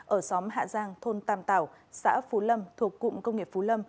ở xóm hạ giang thôn tàm tảo xã phú lâm thuộc cụm công nghiệp phú lâm